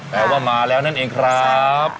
แต่ว่ามาแล้วนั่นเองครับ